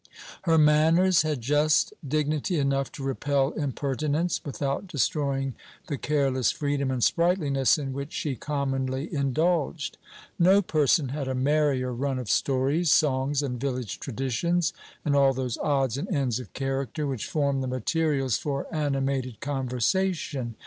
Her manners had just dignity enough to repel impertinence without destroying the careless freedom and sprightliness in which she commonly indulged. No person had a merrier run of stories, songs, and village traditions, and all those odds and ends of character which form the materials for animated conversation.